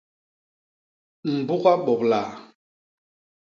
Mbuga bobla?